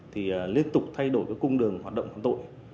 thì liên tục thay đổi các cung đường hoạt động phán tội